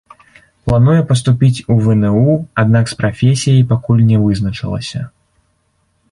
Плануе паступіць у вну, аднак з прафесіяй пакуль не вызначылася.